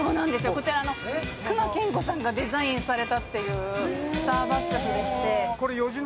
こちらあの隈研吾さんがデザインされたっていうスターバックスでして。